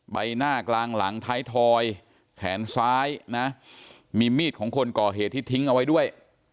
ใบหน้ากลางหลังท้ายทอยแขนซ้ายนะมีมีดของคนก่อเหตุที่ทิ้งเอาไว้ด้วย